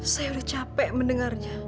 saya sudah capek mendengarnya